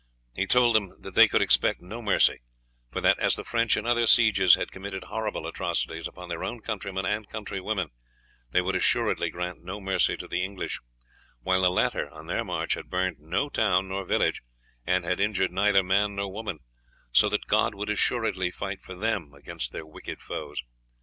He told them that they could expect no mercy, for that, as the French in other sieges had committed horrible atrocities upon their own countrymen and countrywomen, they would assuredly grant no mercy to the English; while the latter on their march had burned no town nor village, and had injured neither man nor woman, so that God would assuredly fight for them against their wicked foes.